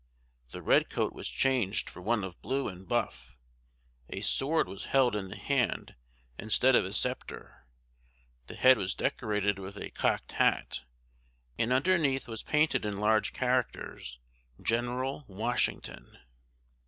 The red coat was changed for one of blue and buff, a sword was held in the hand instead of a sceptre, the head was decorated with a cocked hat, and underneath was painted in large characters, "GENERAL WASHINGTON."